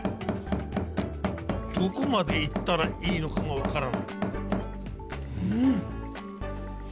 どこまで行ったらいいのかが分からない。